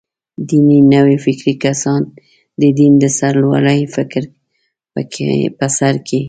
دیني نوفکري کسان «د دین د سرلوړۍ» فکر په سر کې.